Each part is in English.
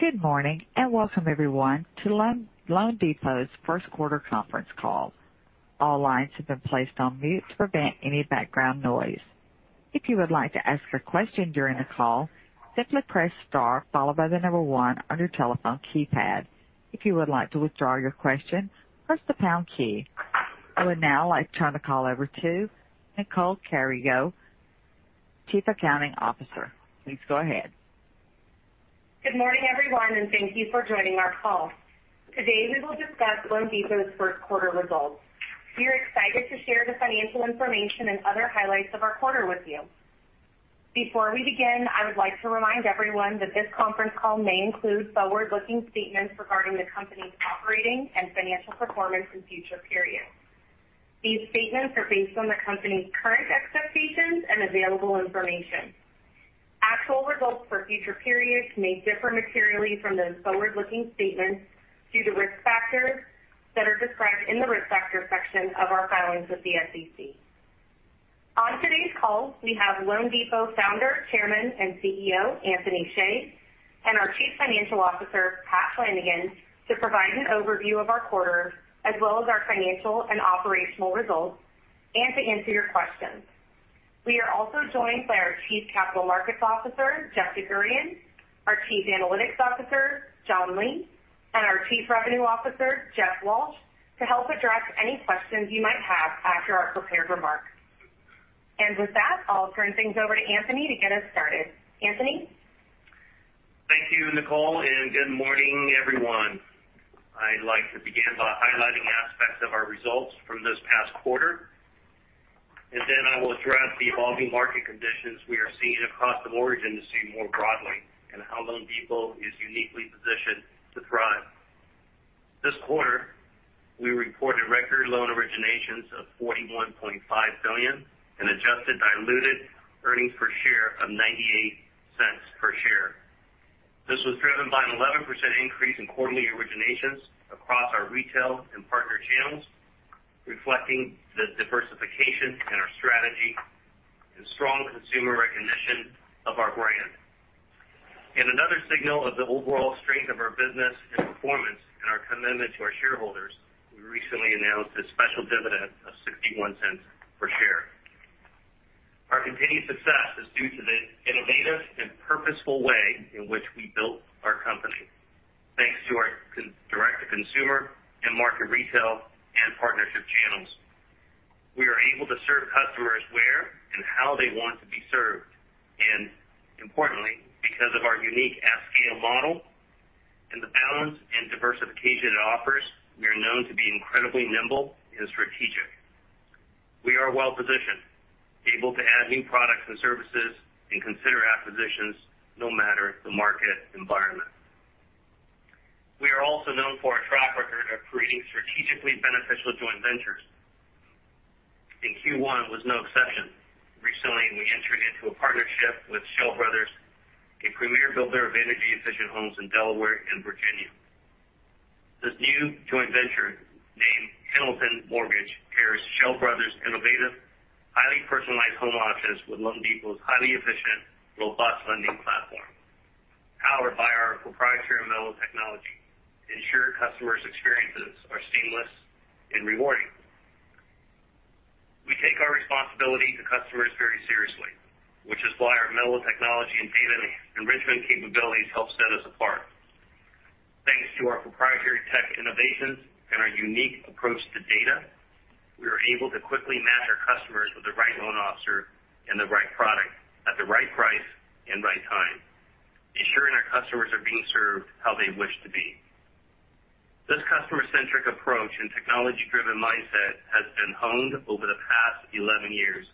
Good morning, welcome everyone to loanDepot's first quarter conference call. All lines have been placed on mute to prevent any background noise. If you would like to ask a question during the call, simply press star followed by the number one on your telephone keypad. If you would like to withdraw your question, press the pound key. I would now like to turn the call over to Nicole Carrillo, Chief Accounting Officer. Please go ahead. Good morning, everyone, and thank you for joining our call. Today, we will discuss loanDepot's first quarter results. We are excited to share the financial information and other highlights of our quarter with you. Before we begin, I would like to remind everyone that this conference call may include forward-looking statements regarding the company's operating and financial performance in future periods. These statements are based on the company's current expectations and available information. Actual results for future periods may differ materially from those forward-looking statements due to risk factors that are described in the Risk Factors section of our filings with the SEC. On today's call, we have loanDepot Founder, Chairman, and CEO, Anthony Hsieh, and our Chief Financial Officer, Patrick Flanagan, to provide an overview of our quarter as well as our financial and operational results and to answer your questions. We are also joined by our Chief Capital Markets Officer, Jeff DerGurahian, our Chief Analytics Officer, John Lee, and our Chief Revenue Officer, Jeff Walsh, to help address any questions you might have after our prepared remarks. With that, I'll turn things over to Anthony to get us started. Anthony? Thank you, Nicole. Good morning, everyone. I'd like to begin by highlighting aspects of our results from this past quarter. Then I will address the evolving market conditions we are seeing across the origin scene more broadly and how loanDepot is uniquely positioned to thrive. This quarter, we reported record loan originations of $41.5 billion and adjusted diluted earnings per share of $0.98 per share. This was driven by an 11% increase in quarterly originations across our retail and partner channels, reflecting the diversification in our strategy and strong consumer recognition of our brand. In another signal of the overall strength of our business and performance and our commitment to our shareholders, we recently announced a special dividend of $0.61 per share. Our continued success is due to the innovative and purposeful way in which we built our company. Thanks to our direct-to-consumer and market retail and partnership channels, we are able to serve customers where and how they want to be served. Importantly, because of our unique at-scale model and the balance and diversification it offers, we are known to be incredibly nimble and strategic. We are well-positioned, able to add new products and services, and consider acquisitions no matter the market environment. We are also known for our track record of creating strategically beneficial joint ventures, and Q1 was no exception. Recently, we entered into a partnership with Schell Brothers, a premier builder of energy-efficient homes in Delaware and Virginia. This new joint venture, named Henlopen Mortgage, pairs Schell Brothers' innovative, highly personalized home options with loanDepot's highly efficient, robust lending platform, powered by our proprietary mello technology, ensure customers' experiences are seamless and rewarding. We take our responsibility to customers very seriously, which is why our mello technology and data enrichment capabilities help set us apart. Thanks to our proprietary tech innovations and our unique approach to data, we are able to quickly match our customers with the right loan officer and the right product at the right price and right time, ensuring our customers are being served how they wish to be. This customer-centric approach and technology-driven mindset has been honed over the past 11 years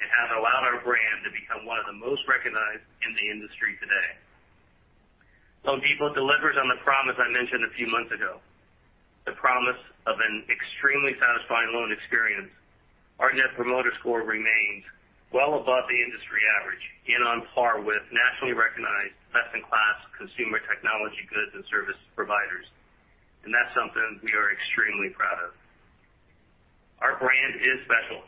and has allowed our brand to become one of the most recognized in the industry today. loanDepot delivers on the promise I mentioned a few months ago, the promise of an extremely satisfying loan experience. Our Net Promoter Score remains well above the industry average and on par with nationally recognized best-in-class consumer technology goods and service providers. That's something we are extremely proud of. Our brand is special,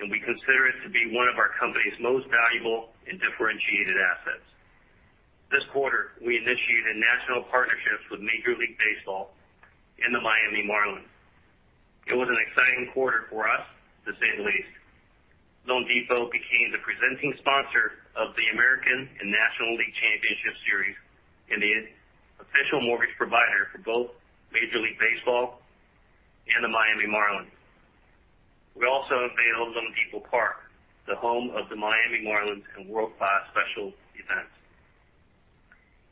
and we consider it to be one of our company's most valuable and differentiated assets. This quarter, we initiated national partnerships with Major League Baseball and the Miami Marlins. It was an exciting quarter for us, to say the least. loanDepot became the presenting sponsor of the American and National League Championship Series and the official mortgage provider for both Major League Baseball and the Miami Marlins. We also unveiled loanDepot Park, the home of the Miami Marlins and world-class special events.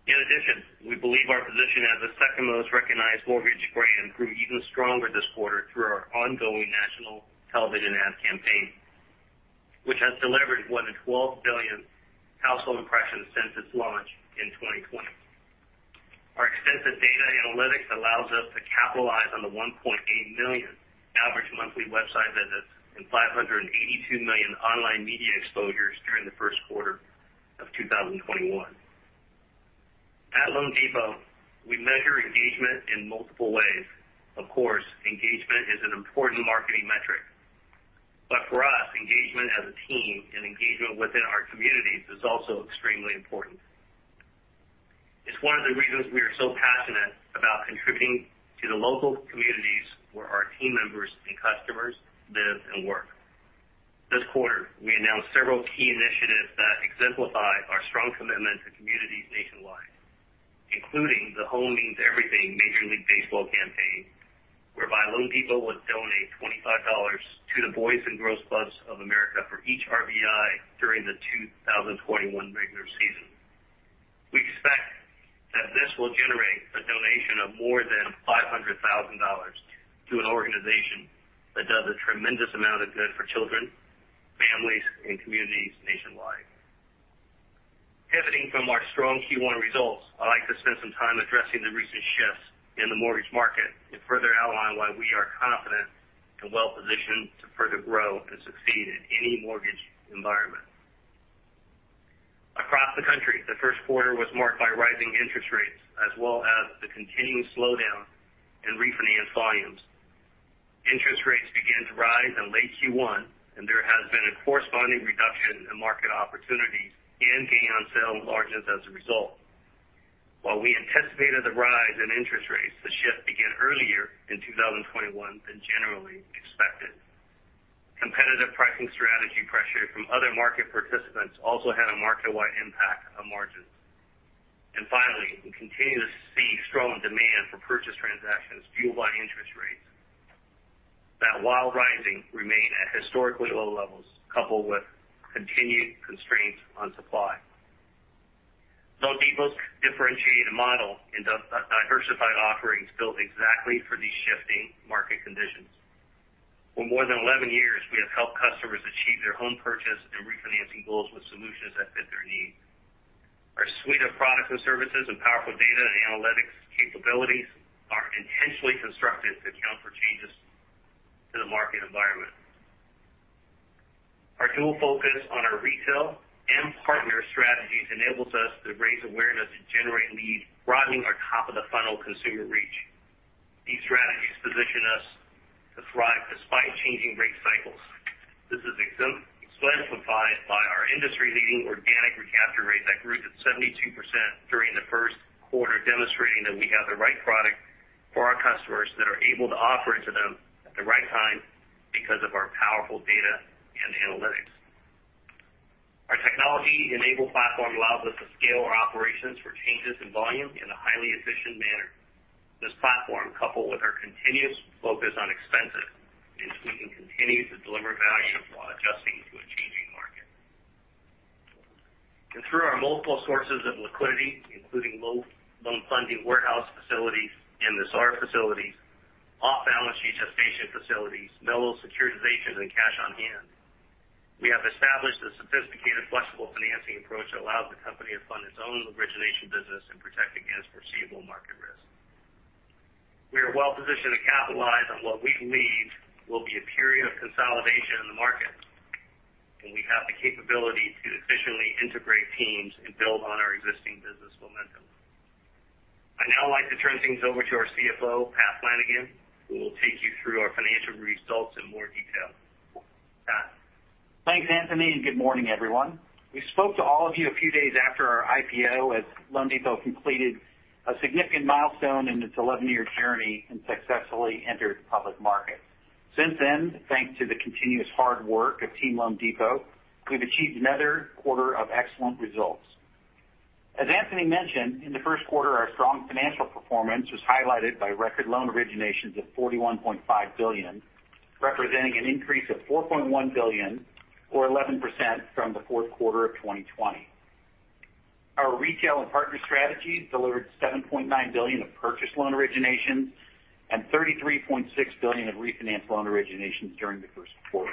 In addition, we believe our position as the second most recognized mortgage brand grew even stronger this quarter through our ongoing national television ad campaign, which has delivered more than 12 billion household impressions since its launch in 2020. Our extensive data analytics allows us to capitalize on the 1.8 million average monthly website visits and 582 million online media exposures during the first quarter of 2021. At loanDepot, we measure engagement in multiple ways. Of course, engagement is an important marketing metric. For us, engagement as a team and engagement within our communities is also extremely important. It's one of the reasons we are so passionate about contributing to the local communities where our team members and customers live and work. This quarter, we announced several key initiatives that exemplify our strong commitment to communities nationwide, including the Home Means Everything Major League Baseball campaign, whereby loanDepot would donate $25 to the Boys & Girls Clubs of America for each RBI during the 2021 regular season. We expect that this will generate a donation of more than $500,000 to an organization that does a tremendous amount of good for children, families, and communities nationwide. Pivoting from our strong Q1 results, I'd like to spend some time addressing the recent shifts in the mortgage market and further outline why we are confident and well-positioned to further grow and succeed in any mortgage environment. Across the country, the first quarter was marked by rising interest rates, as well as the continuing slowdown in refinance volumes. Interest rates began to rise in late Q1, and there has been a corresponding reduction in market opportunities and gain on sale margins as a result. While we anticipated the rise in interest rates, the shift began earlier in 2021 than generally expected. Competitive pricing strategy pressure from other market participants also had a market-wide impact on margins. Finally, we continue to see strong demand for purchase transactions fueled by interest rates that, while rising, remain at historically low levels, coupled with continued constraints on supply. loanDepot's differentiated model and diversified offerings built exactly for these shifting market conditions. For more than 11 years, we have helped customers achieve their home purchase and refinancing goals with solutions that fit their needs. Our suite of products and services and powerful data and analytics capabilities are intentionally constructed to account for changes to the market environment. Our dual focus on our retail and partner strategies enables us to raise awareness and generate leads, broadening our top-of-the-funnel consumer reach. These strategies position us to thrive despite changing rate cycles. This is exemplified by our industry-leading organic recapture rate that grew to 72% during the first quarter, demonstrating that we have the right product for our customers that are able to offer it to them at the right time because of our powerful data and analytics. Our technology-enabled platform allows us to scale our operations for changes in volume in a highly efficient manner. This platform, coupled with our continuous focus on expenses and tweaking, continues to deliver value while adjusting to a changing market. Through our multiple sources of liquidity, including loan funding warehouse facilities and the SAR facilities, off-balance sheet gestation facilities, mello securitizations, and cash on hand, we have established a sophisticated, flexible financing approach that allows the company to fund its own origination business and protect against foreseeable market risk. We are well positioned to capitalize on what we believe will be a period of consolidation in the market, and we have the capability to efficiently integrate teams and build on our existing business momentum. I'd now like to turn things over to our CFO, Patrick Flanagan, who will take you through our financial results in more detail. Pat? Thanks, Anthony. Good morning, everyone. We spoke to all of you a few days after our IPO as loanDepot completed a significant milestone in its 11-year journey and successfully entered the public market. Since then, thanks to the continuous hard work of Team loanDepot, we've achieved another quarter of excellent results. As Anthony mentioned, in the first quarter, our strong financial performance was highlighted by record loan originations of $41.5 billion, representing an increase of $4.1 billion or 11% from the fourth quarter of 2020. Our retail and partner strategies delivered $7.9 billion of purchase loan originations and $33.6 billion of refinance loan originations during the first quarter.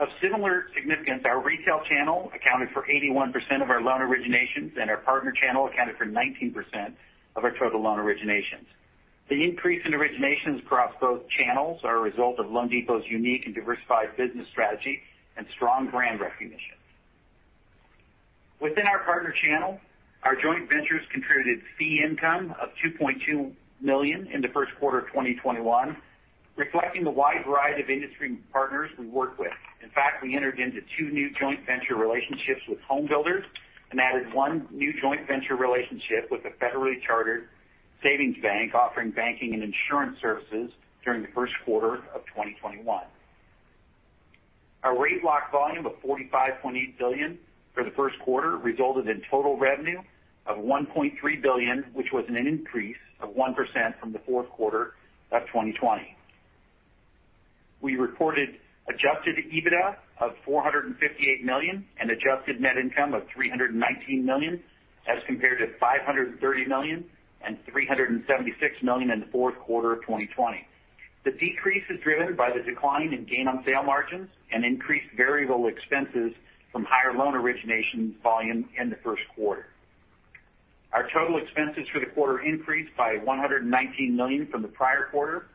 Of similar significance, our retail channel accounted for 81% of our loan originations. Our partner channel accounted for 19% of our total loan originations. The increase in originations across both channels are a result of loanDepot's unique and diversified business strategy and strong brand recognition. Within our partner channel, our joint ventures contributed fee income of $2.2 million in the first quarter of 2021, reflecting the wide variety of industry partners we work with. We entered into two new joint venture relationships with home builders and added one new joint venture relationship with a federally chartered savings bank offering banking and insurance services during the first quarter of 2021. Our rate lock volume of $45.8 billion for the first quarter resulted in total revenue of $1.3 billion, which was an increase of 1% from the fourth quarter of 2020. We reported adjusted EBITDA of $458 million and adjusted net income of $319 million as compared to $530 million and $376 million in the fourth quarter of 2020. The decrease is driven by the decline in gain on sale margins and increased variable expenses from higher loan origination volume in the first quarter. Our total expenses for the quarter increased by $119 million from the prior quarter,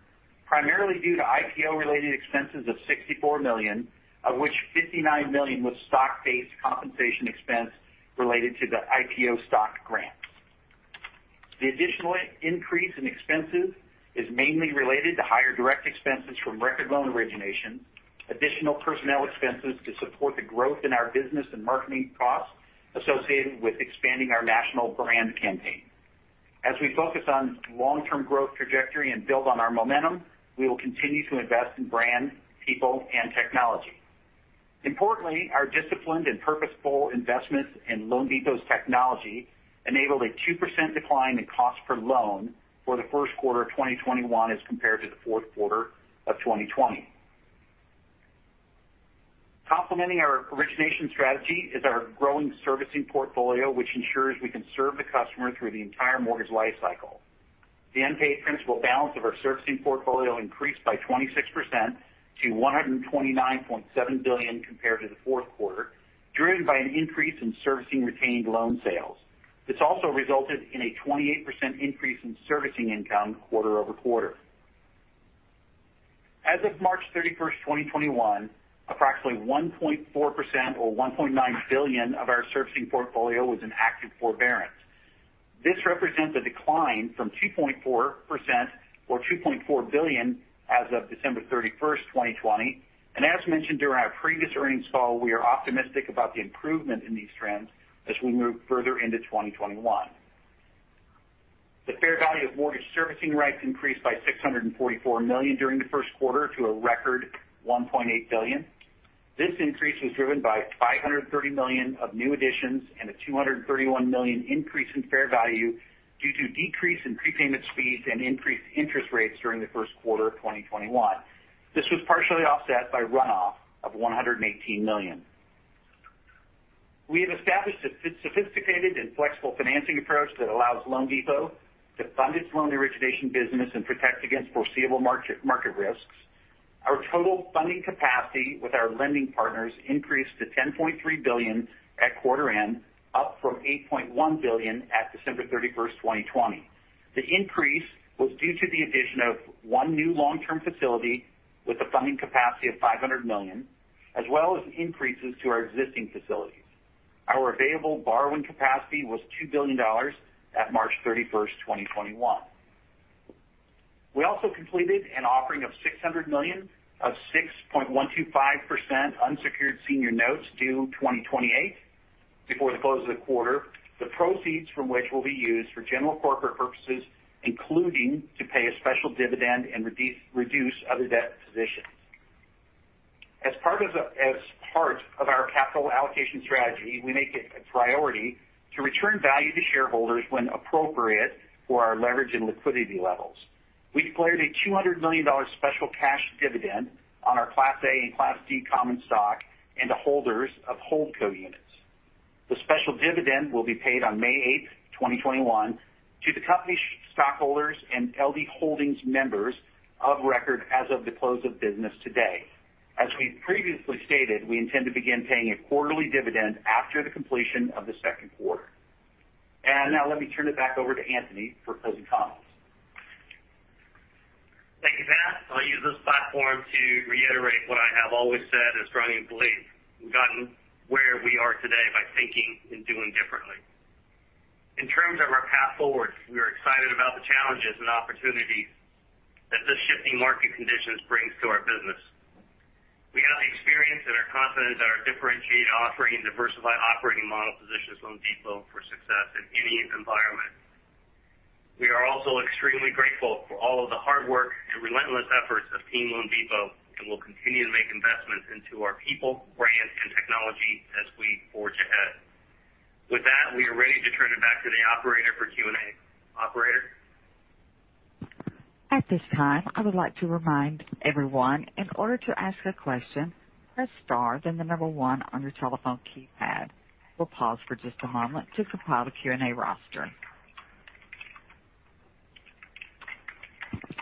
primarily due to IPO-related expenses of $64 million, of which $59 million was stock-based compensation expense related to the IPO stock grant. The additional increase in expenses is mainly related to higher direct expenses from record loan origination, additional personnel expenses to support the growth in our business and marketing costs associated with expanding our national brand campaign. As we focus on long-term growth trajectory and build on our momentum, we will continue to invest in brand, people, and technology. Importantly, our disciplined and purposeful investments in loanDepot's technology enabled a 2% decline in cost per loan for the first quarter of 2021 as compared to the fourth quarter of 2020. Complementing our origination strategy is our growing servicing portfolio, which ensures we can serve the customer through the entire mortgage life cycle. The unpaid principal balance of our servicing portfolio increased by 26% to $129.7 billion compared to the fourth quarter, driven by an increase in servicing retained loan sales. This also resulted in a 28% increase in servicing income quarter-over-quarter. As of March 31st, 2021, approximately 1.4% or $1.9 billion of our servicing portfolio was in active forbearance. This represents a decline from 2.4% or $2.4 billion as of December 31st, 2020. As mentioned during our previous earnings call, we are optimistic about the improvement in these trends as we move further into 2021. The fair value of mortgage servicing rights increased by $644 million during the first quarter to a record $1.8 billion. This increase was driven by $530 million of new additions and a $231 million increase in fair value due to decrease in prepayment speeds and increased interest rates during the first quarter of 2021. This was partially offset by runoff of $118 million. We have established a sophisticated and flexible financing approach that allows loanDepot to fund its loan origination business and protect against foreseeable market risks. Our total funding capacity with our lending partners increased to $10.3 billion at quarter end, up from $8.1 billion at December 31st, 2020. The increase was due to the addition of one new long-term facility with a funding capacity of $500 million, as well as increases to our existing facilities. Our available borrowing capacity was $2 billion at March 31st, 2021. We also completed an offering of $600 million of 6.125% unsecured senior notes due 2028 before the close of the quarter, the proceeds from which will be used for general corporate purposes, including to pay a special dividend and reduce other debt positions. As part of our capital allocation strategy, we make it a priority to return value to shareholders when appropriate for our leverage and liquidity levels. We declared a $200 million special cash dividend on our Class A and Class D common stock and to holders of Holdco units. The special dividend will be paid on May 8th, 2021, to the company stockholders and LD Holdings members of record as of the close of business today. As we've previously stated, we intend to begin paying a quarterly dividend after the completion of the second quarter. Now let me turn it back over to Anthony for closing comments. Thank you, Pat. I'll use this platform to reiterate what I have always said is strongly believed. We've gotten where we are today by thinking and doing differently. In terms of our path forward, we are excited about the challenges and opportunities that this shifting market conditions brings to our business. We have the experience and are confident that our differentiated offering and diversified operating model positions loanDepot for success in any environment. We are also extremely grateful for all of the hard work and relentless efforts of Team loanDepot, and we'll continue to make investments into our people, brand, and technology as we forge ahead. With that, we are ready to turn it back to the operator for Q&A. Operator?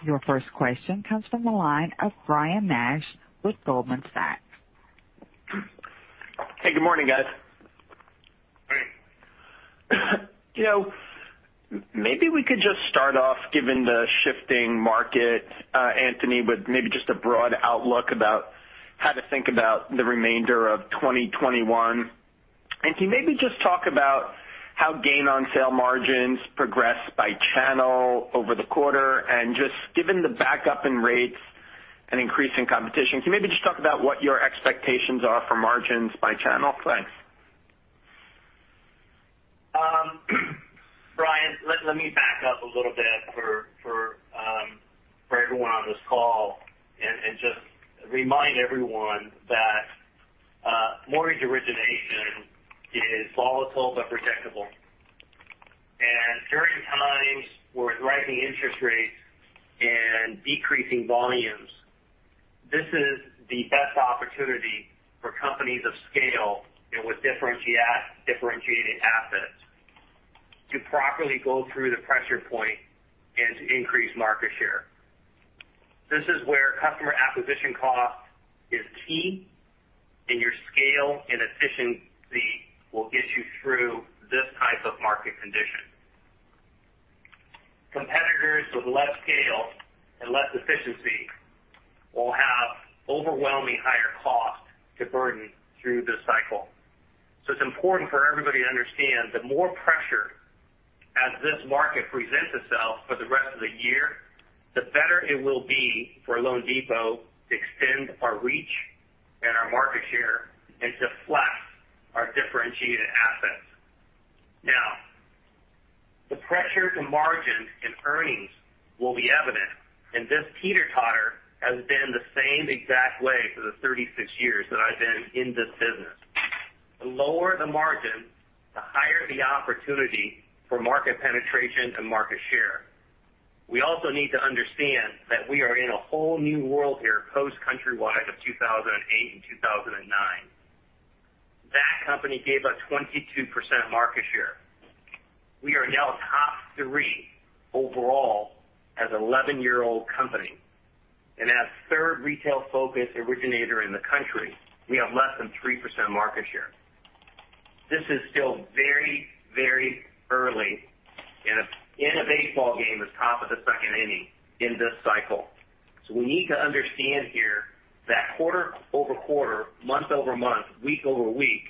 Your first question comes from the line of Ryan Nash with Goldman Sachs. Hey, good morning, guys. Hey. Maybe we could just start off, given the shifting market, Anthony, with maybe just a broad outlook about how to think about the remainder of 2021. Can you maybe just talk about how gain on sale margins progress by channel over the quarter? Just given the backup in rates and increase in competition, can you maybe just talk about what your expectations are for margins by channel? Thanks. Ryan, let me back up a little bit for everyone on this call and just remind everyone that mortgage origination is volatile but protectable. During times with rising interest rates and decreasing volumes, this is the best opportunity for companies of scale and with differentiating assets to properly go through the pressure point and to increase market share. This is where customer acquisition cost is key, and your scale and efficiency will get you through this type of market condition. Competitors with less scale and less efficiency will have overwhelmingly higher costs to burden through this cycle. It's important for everybody to understand the more pressure as this market presents itself for the rest of the year, the better it will be for loanDepot to extend our reach and our market share and to flex our differentiated assets. The pressure to margins and earnings will be evident, and this teeter-totter has been the same exact way for the 36 years that I've been in this business. The lower the margin, the higher the opportunity for market penetration and market share. We also need to understand that we are in a whole new world here, post Countrywide of 2008 and 2009. That company gave up 22% market share. We are now top three overall as an 11-year-old company. As third retail-focused originator in the country, we have less than 3% market share. This is still very early, and in a baseball game, it's top of the second inning in this cycle. We need to understand here that quarter-over-quarter, month-over-month, week-over-week,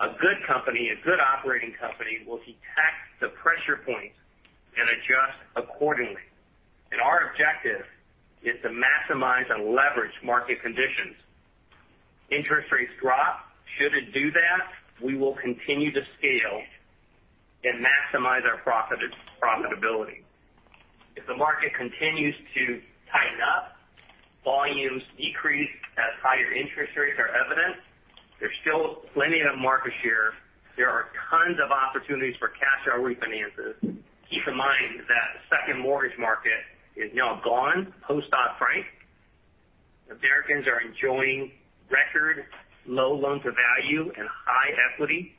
a good company, a good operating company, will detect the pressure points and adjust accordingly. Our objective is to maximize and leverage market conditions. Interest rates drop. Should it do that, we will continue to scale and maximize our profitability. If the market continues to tighten up, volumes decrease as higher interest rates are evident. There's still plenty of market share. There are tons of opportunities for cash-out refinances. Keep in mind that the second mortgage market is now gone post Dodd-Frank. Americans are enjoying record low loan-to-value and high equity.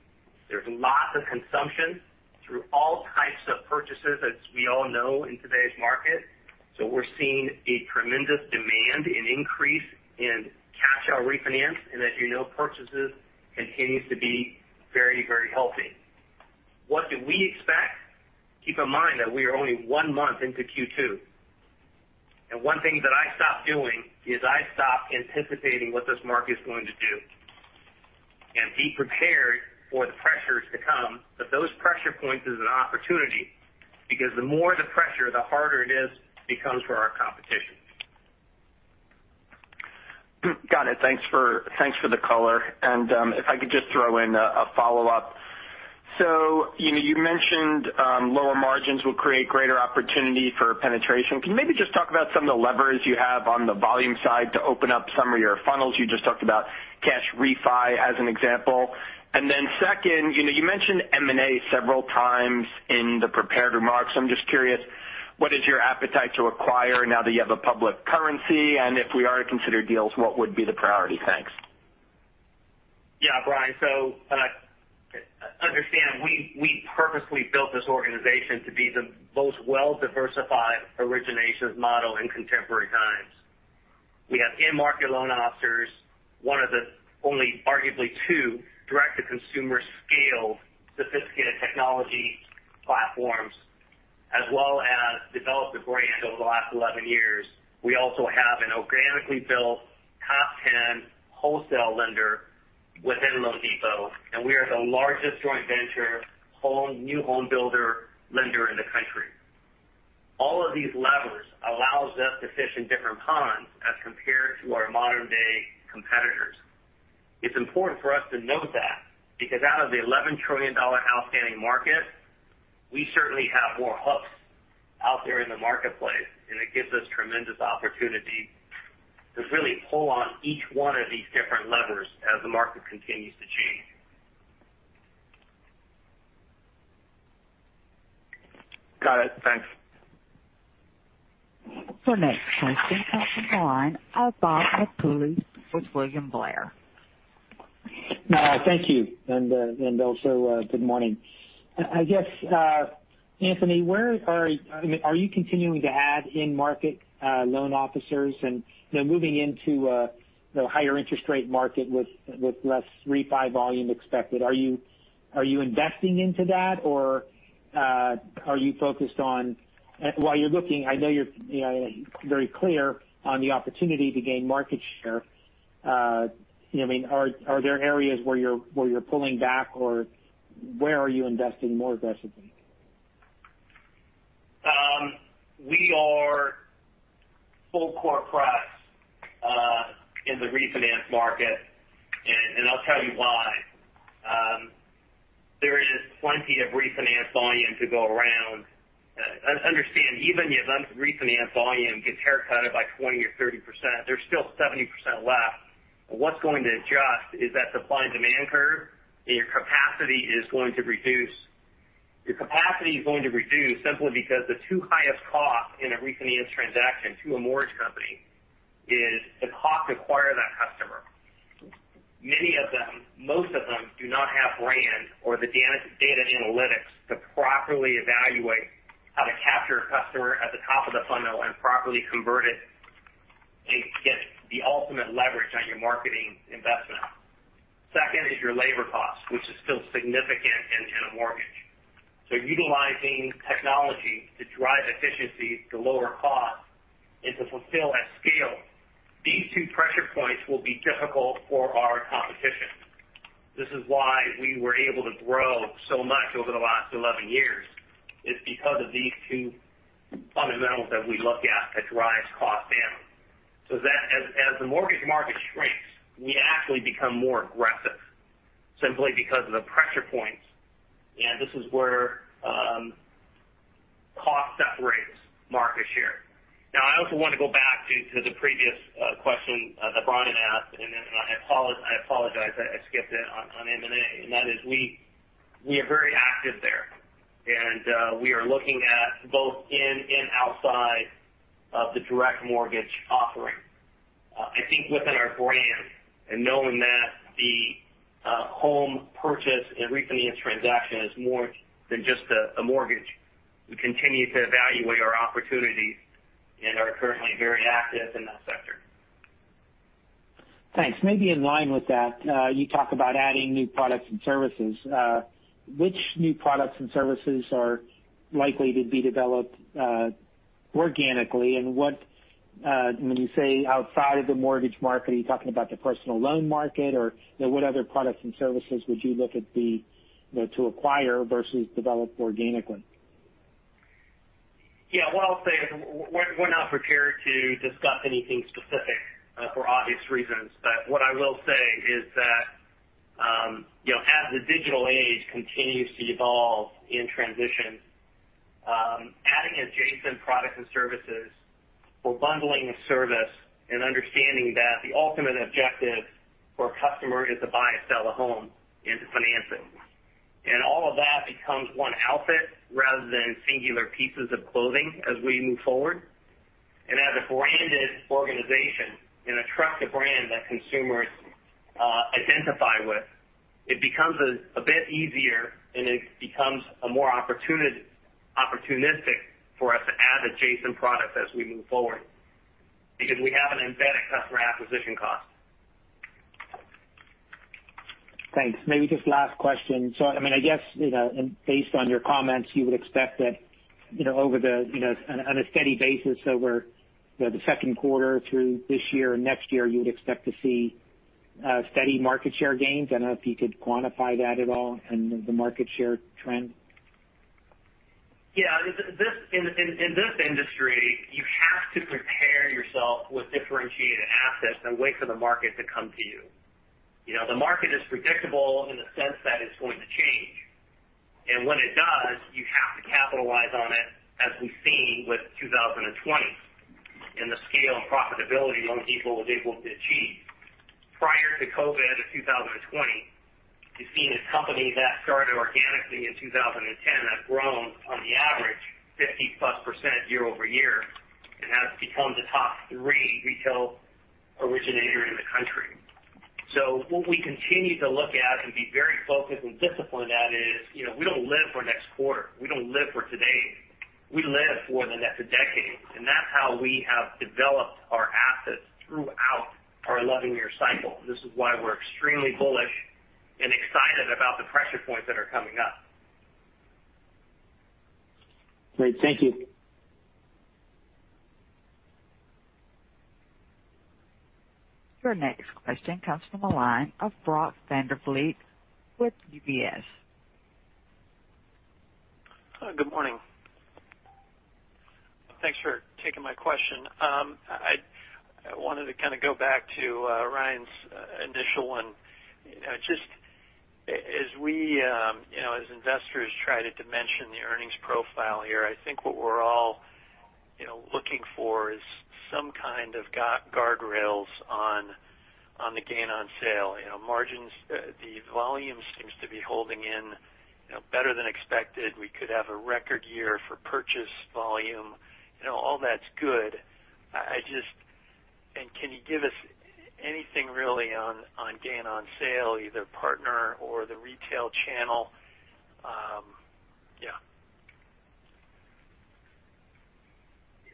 There's lots of consumption through all types of purchases, as we all know, in today's market. We're seeing a tremendous demand and increase in cash-out refinance. As you know, purchases continue to be very healthy. What do we expect? Keep in mind that we are only one month into Q2. One thing that I stopped doing is I stopped anticipating what this market's going to do. Be prepared for the pressures to come. Those pressure points is an opportunity, because the more the pressure, the harder it is becomes for our competition. Got it. Thanks for the color. If I could just throw in a follow-up. You mentioned lower margins will create greater opportunity for penetration. Can you maybe just talk about some of the levers you have on the volume side to open up some of your funnels? You just talked about cash refi as an example. Then second, you mentioned M&A several times in the prepared remarks. I'm just curious, what is your appetite to acquire now that you have a public currency? If we are to consider deals, what would be the priority? Thanks. Yeah. Ryan. Understand, we purposely built this organization to be the most well-diversified originations model in contemporary times. We have in-market loan officers, one of the only arguably two direct-to-consumer scale sophisticated technology platforms, as well as developed a brand over the last 11 years. We also have an organically built top 10 wholesale lender within loanDepot. We are the largest joint venture new home builder lender in the country. All of these levers allows us to fish in different ponds as compared to our modern-day competitors. It's important for us to note that, because out of the $11 trillion outstanding market, we certainly have more hooks out there in the marketplace. It gives us tremendous opportunity to really pull on each one of these different levers as the market continues to change. Got it. Thanks. Your next question comes on the line of Robert Napoli with William Blair. Thank you. Also good morning. I guess, Anthony, are you continuing to add in-market loan officers? Moving into a higher interest rate market with less refi volume expected, are you investing into that, or are you focused on, while you're looking, I know you're very clear on the opportunity to gain market share. Are there areas where you're pulling back, or where are you investing more aggressively? We are full court press in the refinance market. I'll tell you why. There is plenty of refinance volume to go around. Understand, even if refinance volume gets haircutted by 20% or 30%, there's still 70% left. What's going to adjust is that supply and demand curve. Your capacity is going to reduce. Your capacity is going to reduce simply because the two highest costs in a refinance transaction to a mortgage company is the cost to acquire that customer. Many of them, most of them, do not have brands or the data analytics to properly evaluate how to capture a customer at the top of the funnel and properly convert it and get the ultimate leverage on your marketing investment. Second is your labor cost, which is still significant in a mortgage. Utilizing technology to drive efficiencies to lower costs and to fulfill at scale, these two pressure points will be difficult for our competition. This is why we were able to grow so much over the last 11 years, is because of these two fundamentals that we look at to drive cost down. As the mortgage market shrinks, we actually become more aggressive simply because of the pressure points. This is where cost separates market share. Now, I also want to go back to the previous question that Ryan Nash asked, and then I apologize. I skipped it on M&A, and that is we are very active there. We are looking at both in and outside of the direct mortgage offering. I think within our brand and knowing that the home purchase and refinance transaction is more than just a mortgage, we continue to evaluate our opportunities and are currently very active in that sector. Thanks. Maybe in line with that, you talk about adding new products and services. Which new products and services are likely to be developed organically? When you say outside of the mortgage market, are you talking about the personal loan market, or what other products and services would you look at to acquire versus develop organically? Yeah. What I'll say is we're not prepared to discuss anything specific for obvious reasons. What I will say is that as the digital age continues to evolve and transition, adding adjacent products and services or bundling of service and understanding that the ultimate objective for a customer is to buy and sell a home into financing. All of that becomes one outfit rather than singular pieces of clothing as we move forward. As a branded organization and a trusted brand that consumers identify with, it becomes a bit easier, and it becomes more opportunistic for us to add adjacent products as we move forward because we have an embedded customer acquisition cost. Thanks. Maybe just last question. I guess based on your comments, you would expect that on a steady basis over the second quarter through this year and next year, you would expect to see steady market share gains. I don't know if you could quantify that at all and the market share trend. Yeah. In this industry, you have to prepare yourself with differentiated assets and wait for the market to come to you. The market is predictable in the sense that it's going to change. When it does, you have to capitalize on it, as we've seen with 2020 and the scale and profitability loanDepot was able to achieve. Prior to COVID of 2020, you've seen a company that started organically in 2010, have grown on the average 50-plus% year-over-year, and has become the top three retail originator in the country. What we continue to look at and be very focused and disciplined at is, we don't live for next quarter. We don't live for today. We live for the next decade. That's how we have developed our assets throughout our 11-year cycle. This is why we're extremely bullish and excited about the pressure points that are coming up. Great. Thank you. Your next question comes from the line of Brock Vandervliet with UBS. Good morning. Thanks for taking my question. I wanted to kind of go back to Ryan's initial one. Just as investors try to dimension the earnings profile here, I think what we're all looking for is some kind of guardrails on the gain on sale. Margins, the volume seems to be holding in better than expected. We could have a record year for purchase volume. All that's good. Can you give us anything really on gain on sale, either partner or the retail channel? Yeah.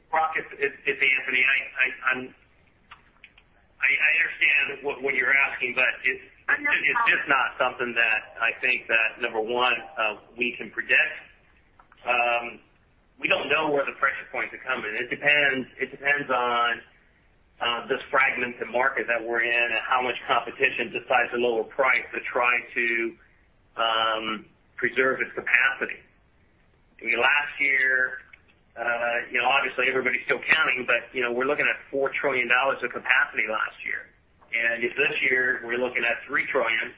Brock, it's Anthony. I understand what you're asking, but it's just not something that I think that, number one, we can predict. We don't know where the pressure points are coming. It depends on this fragmented market that we're in and how much competition decides to lower price to try to preserve its capacity. Last year, obviously everybody's still counting, but we're looking at $4 trillion of capacity last year. If this year we're looking at $3 trillion,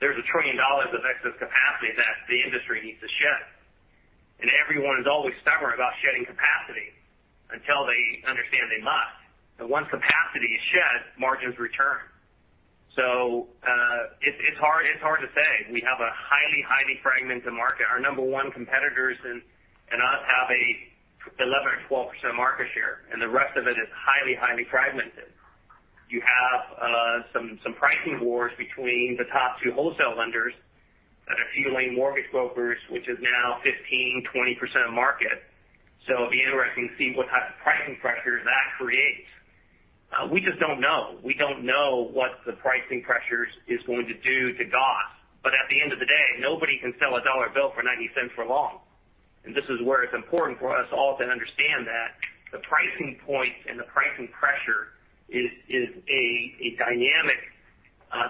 there's $1 trillion of excess capacity that the industry needs to shed. Everyone is always stubborn about shedding capacity until they understand they must. Once capacity is shed, margins return. It's hard to say. We have a highly fragmented market. Our number one competitors and us have an 11%-12% market share, and the rest of it is highly fragmented. You have some pricing wars between the top two wholesale lenders fueling mortgage brokers, which is now 15%, 20% of market. It'll be interesting to see what type of pricing pressure that creates. We just don't know. We don't know what the pricing pressures is going to do to cost. At the end of the day, nobody can sell a dollar bill for $0.90 for long. This is where it's important for us all to understand that the pricing points and the pricing pressure is a dynamic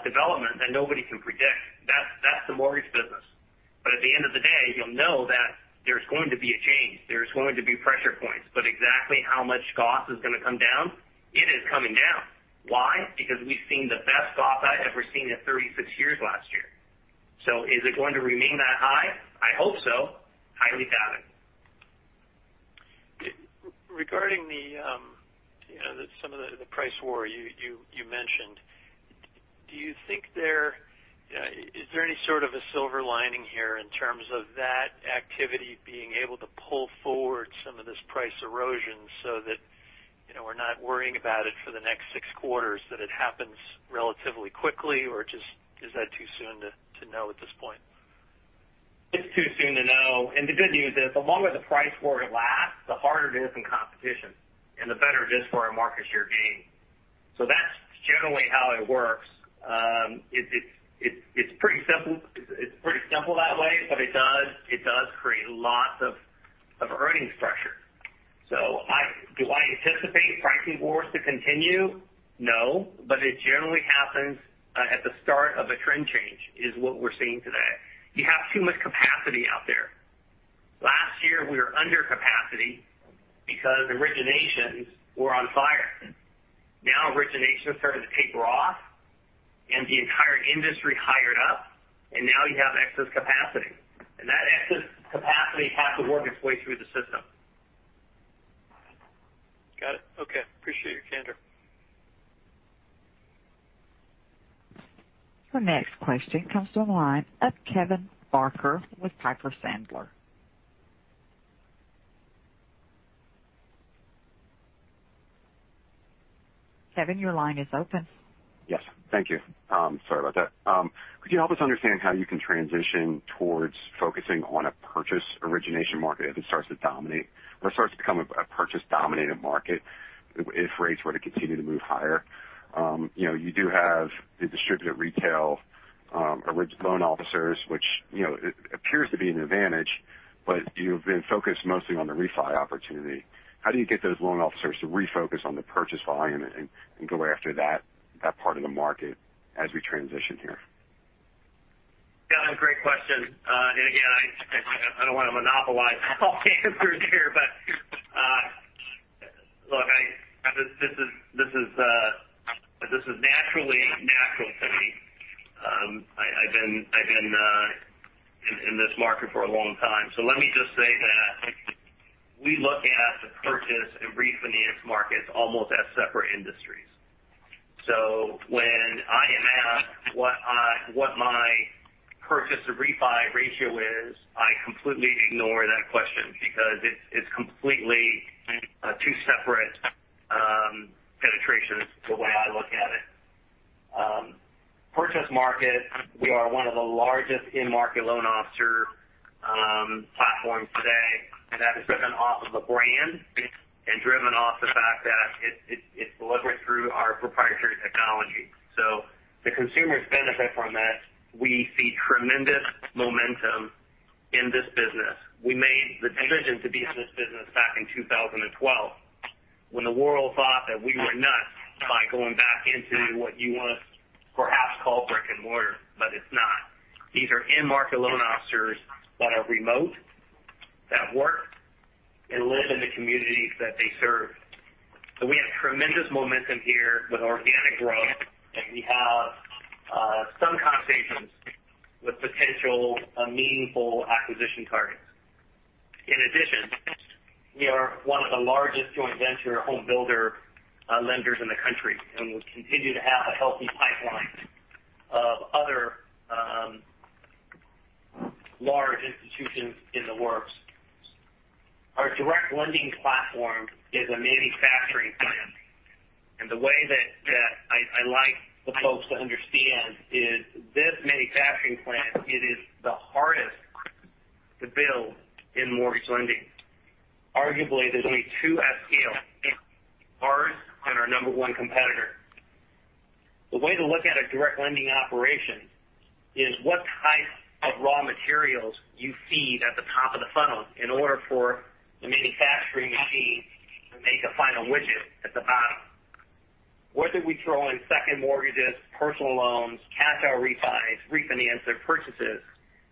development that nobody can predict. That's the mortgage business. At the end of the day, you'll know that there's going to be a change, there's going to be pressure points. Exactly how much cost is going to come down? It is coming down. Why? Because we've seen the best cost I've ever seen in 36 years last year. Is it going to remain that high? I hope so. Highly doubt it. Regarding some of the price war you mentioned. Is there any sort of a silver lining here in terms of that activity being able to pull forward some of this price erosion so that we're not worrying about it for the next six quarters, that it happens relatively quickly? Just, is that too soon to know at this point? It's too soon to know. The good news is, the longer the price war lasts, the harder it is in competition and the better it is for our market share gain. That's generally how it works. It's pretty simple that way, but it does create lots of earnings pressure. Do I anticipate pricing wars to continue? No, but it generally happens at the start of a trend change, is what we're seeing today. You have too much capacity out there. Last year, we were under capacity because originations were on fire. Originations started to taper off and the entire industry hired up, and now you have excess capacity, and that excess capacity has to work its way through the system. Got it. Okay. Appreciate your candor. Your next question comes from the line of Kevin Barker with Piper Sandler. Kevin, your line is open. Yes. Thank you. Sorry about that. Could you help us understand how you can transition towards focusing on a purchase origination market as it starts to dominate or starts to become a purchase-dominated market if rates were to continue to move higher? You do have the distributed retail origin loan officers, which appears to be an advantage, but you've been focused mostly on the refi opportunity. How do you get those loan officers to refocus on the purchase volume and go after that part of the market as we transition here? Yeah, great question. Again, I don't want to monopolize all the answers here, but look, this is naturally natural to me. I've been in this market for a long time. Let me just say that we look at the purchase and refinance markets almost as separate industries. When I am asked what my purchase to refi ratio is, I completely ignore that question because it's completely two separate penetrations, the way I look at it. Purchase market, we are one of the largest in-market loan officer platforms today, and that is driven off of the brand and driven off the fact that it's delivered through our proprietary technology. The consumers benefit from that. We see tremendous momentum in this business. We made the decision to be in this business back in 2012 when the world thought that we were nuts by going back into what you want to perhaps call brick and mortar, but it's not. These are in-market loan officers that are remote, that work and live in the communities that they serve. We have tremendous momentum here with organic growth, and we have some conversations with potential meaningful acquisition targets. In addition, we are one of the largest joint venture home builder lenders in the country, and we continue to have a healthy pipeline of other large institutions in the works. Our direct lending platform is a manufacturing plant, and the way that I like the folks to understand is this manufacturing plant, it is the hardest to build in mortgage lending. Arguably, there's only two at scale, ours and our number one competitor. The way to look at a direct lending operation is what type of raw materials you feed at the top of the funnel in order for the manufacturing machine to make a final widget at the bottom. Whether we throw in second mortgages, personal loans, cash out refis, refinances, purchases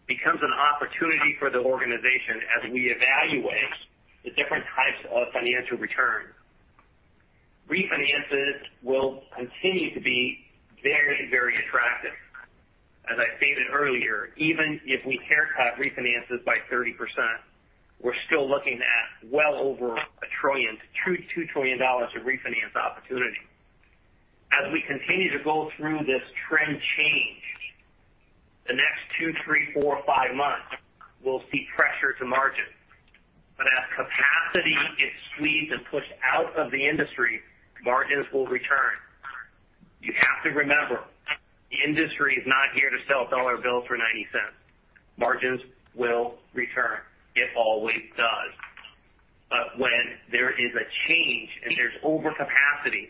becomes an opportunity for the organization as we evaluate the different types of financial returns. Refinances will continue to be very attractive. As I stated earlier, even if we haircut refinances by 30%, we're still looking at well over $1 trillion-$2 trillion of refinance opportunity. As we continue to go through this trend change, the next two, three, four, five months will see pressure to margin. Capacity gets squeezed and pushed out of the industry, margins will return. You have to remember, the industry is not here to sell a dollar bill for $0.90. Margins will return. It always does. When there is a change and there's overcapacity,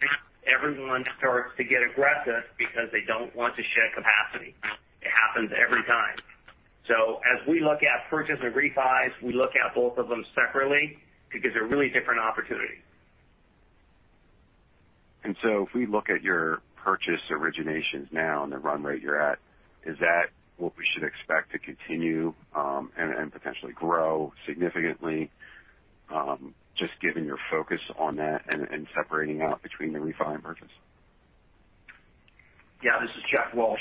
everyone starts to get aggressive because they don't want to shed capacity. It happens every time. As we look at purchase and refis, we look at both of them separately because they're really different opportunities. If we look at your purchase originations now and the run rate you're at, is that what we should expect to continue, and potentially grow significantly, just given your focus on that and separating out between the refi and purchase? Yeah. This is Jeff Walsh.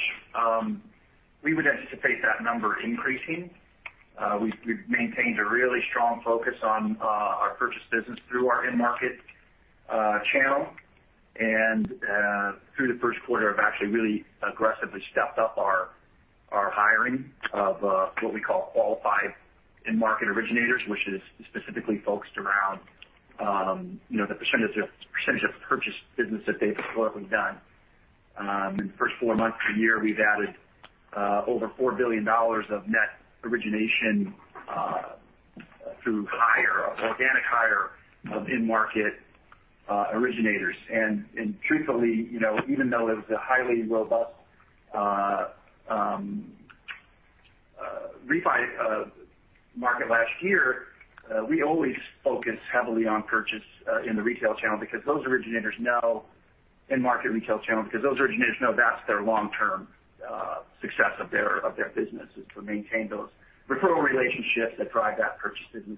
We would anticipate that number increasing. We've maintained a really strong focus on our purchase business through our end market channel. Through the first quarter have actually really aggressively stepped up our hiring of what we call qualified in-market originators, which is specifically focused around the percentage of purchase business that they've historically done. In the first four months of the year, we've added over $4 billion of net origination through organic hire of in-market originators. Truthfully, even though it was a highly robust refi market last year, we always focus heavily on purchase in the retail channel because those originators know that's their long-term success of their business, is to maintain those referral relationships that drive that purchase business.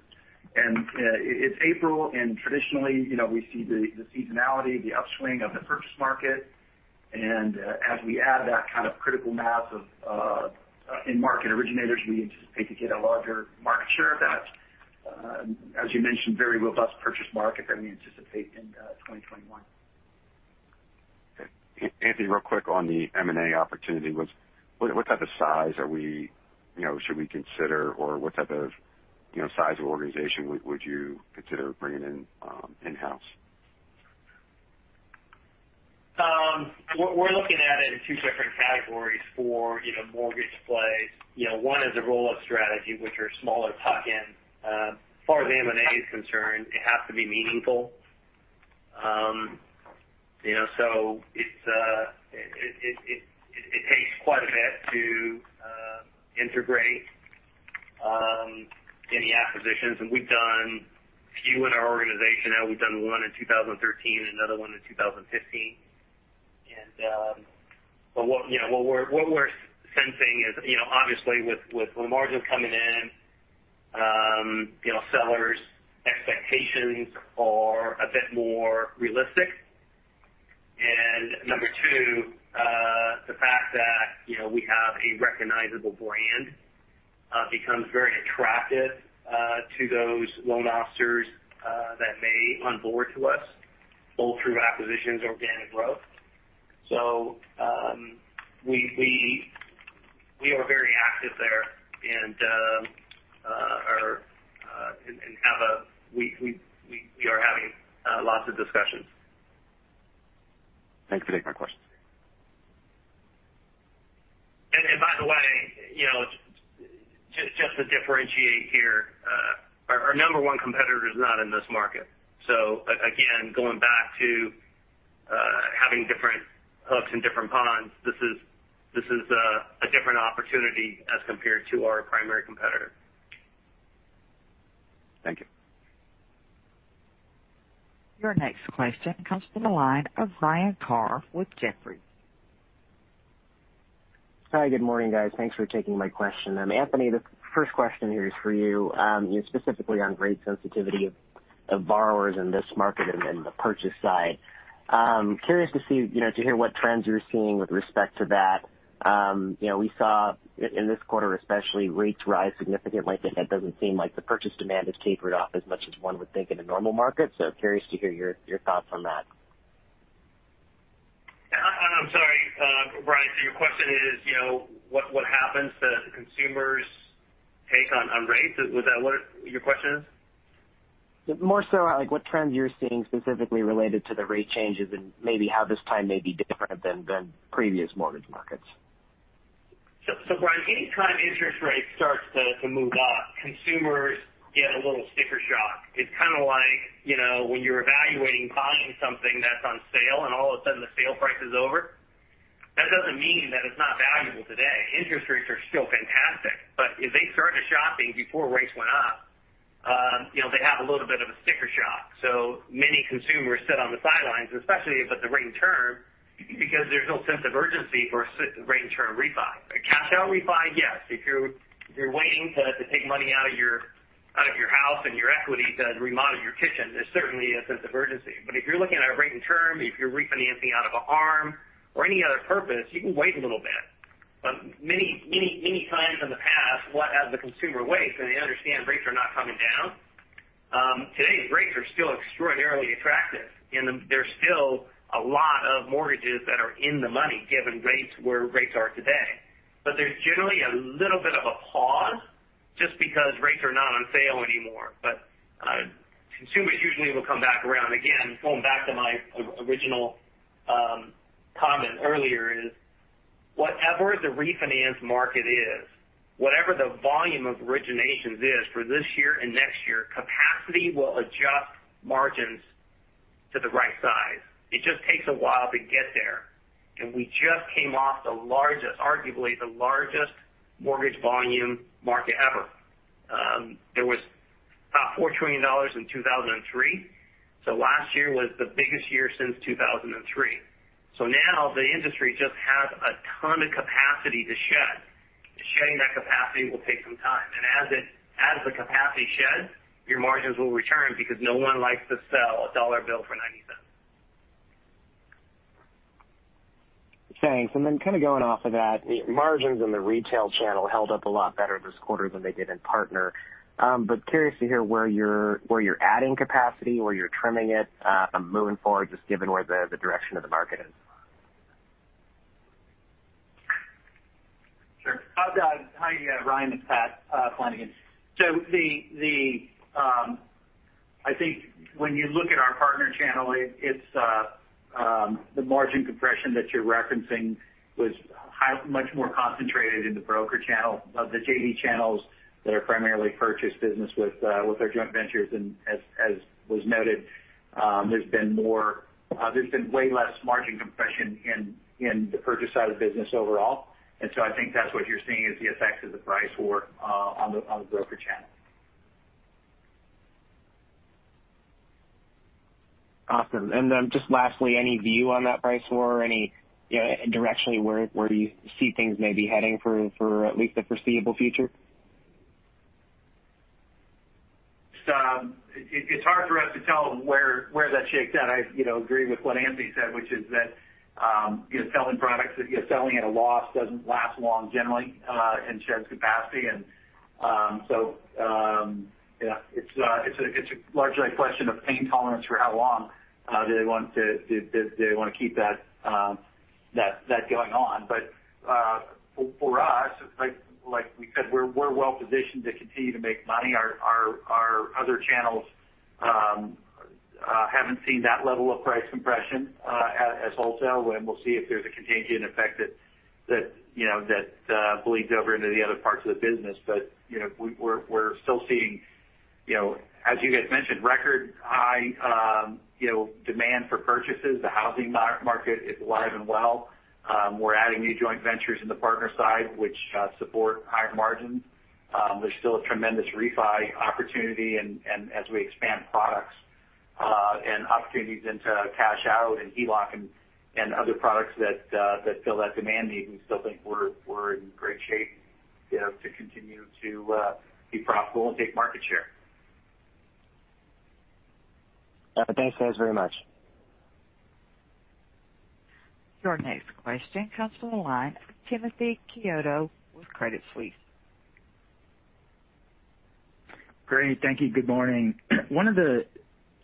It's April, and traditionally, we see the seasonality, the upswing of the purchase market. As we add that kind of critical mass of in-market originators, we anticipate to get a larger market share of that. As you mentioned, very robust purchase market that we anticipate in 2021. Okay. Anthony, real quick on the M&A opportunity. What type of size should we consider, or what type of size of organization would you consider bringing in in-house? We're looking at it in two different categories for mortgage plays. One is a roll-up strategy, which are smaller tuck-in. As far as M&A is concerned, it has to be meaningful. It takes quite a bit to integrate any acquisitions. We've done a few in our organization now. We've done one in 2013 and another one in 2015. What we're sensing is obviously with margins coming in, sellers' expectations are a bit more realistic. Number two, the fact that we have a recognizable brand becomes very attractive to those loan officers that may onboard to us, both through acquisitions or organic growth. We are very active there and we are having lots of discussions. Thanks for taking my questions. By the way, just to differentiate here, our number one competitor is not in this market. Again, going back to having different hooks in different ponds, this is a different opportunity as compared to our primary competitor. Thank you. Your next question comes from the line of Ryan Carr with Jefferies. Hi. Good morning, guys. Thanks for taking my question. Anthony Hsieh, the first question here is for you. Specifically on rate sensitivity of borrowers in this market and the purchase side. Curious to hear what trends you're seeing with respect to that. We saw in this quarter especially, rates rise significantly, and it doesn't seem like the purchase demand has tapered off as much as one would think in a normal market. Curious to hear your thoughts on that. I'm sorry, Ryan. Your question is what happens to consumers' take on rates? Was that what your question is? More so like what trends you're seeing specifically related to the rate changes and maybe how this time may be different than previous mortgage markets? Ryan, anytime interest rates starts to move up, consumers get a little sticker shock. It's kind of like when you're evaluating buying something that's on sale, and all of a sudden the sale price is over. That doesn't mean that it's not valuable today. Interest rates are still fantastic. If they started shopping before rates went up, they have a little bit of a sticker shock. Many consumers sit on the sidelines, especially with the rate and term, because there's no sense of urgency for a rate and term refi. A cash out refi, yes. If you're waiting to take money out of your house and your equity to remodel your kitchen, there certainly is a sense of urgency. If you're looking at a rate and term, if you're refinancing out of a ARM or any other purpose, you can wait a little bit. Many times in the past, what has the consumer wait? They understand rates are not coming down. Today's rates are still extraordinarily attractive, and there's still a lot of mortgages that are in the money given where rates are today. There's generally a little bit of a pause just because rates are not on sale anymore. Consumers usually will come back around. Again, going back to my original comment earlier is whatever the refinance market is, whatever the volume of originations is for this year and next year, capacity will adjust margins to the right size. It just takes a while to get there, and we just came off arguably the largest mortgage volume market ever. There was about $4 trillion in 2003. Last year was the biggest year since 2003. Now the industry just has a ton of capacity to shed. Shedding that capacity will take some time. As the capacity sheds, your margins will return because no one likes to sell a dollar bill for $0.90. Thanks. Kind of going off of that, the margins in the retail channel held up a lot better this quarter than they did in partner. Curious to hear where you're adding capacity, where you're trimming it moving forward, just given where the direction of the market is. Sure. Hi, Ryan. It's Pat Flanagan. I think when you look at our partner channel, the margin compression that you're referencing was much more concentrated in the broker channel of the JV channels that are primarily purchase business with their joint ventures. As was noted, there's been way less margin compression in the purchase side of the business overall. I think that's what you're seeing is the effects of the price war on the broker channel. Awesome. Just lastly, any view on that price war? Directionally, where do you see things maybe heading for at least the foreseeable future? It's hard for us to tell where that shakes out. I agree with what Anthony said, which is that selling products that you're selling at a loss doesn't last long generally and sheds capacity. It's largely a question of pain tolerance for how long do they want to keep that going on. For us, like we said, we're well positioned to continue to make money. Our other channels haven't seen that level of price compression as wholesale. We'll see if there's a contagion effect that bleeds over into the other parts of the business. We're still seeing, as you guys mentioned, record high demand for purchases. The housing market is alive and well. We're adding new joint ventures in the partner side, which support higher margins. There's still a tremendous refi opportunity. As we expand products and opportunities into cash-out and HELOC and other products that fill that demand need, we still think we're in great shape to continue to be profitable and take market share. Thanks, guys, very much. Your next question comes from the line of Timothy Chiodo with Credit Suisse. Great. Thank you. Good morning. Wanted to